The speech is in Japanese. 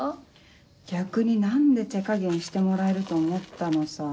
逆に何で手加減してもらえると思ったのさ。